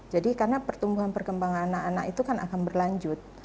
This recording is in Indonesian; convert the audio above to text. jadi karena pertumbuhan perkembangan anak anak itu kan akan berlanjut